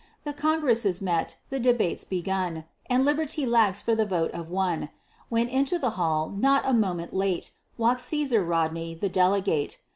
The Congress is met; the debate's begun, And Liberty lags for the vote of one When into the hall, not a moment late, Walks Cæsar Rodney, the delegate.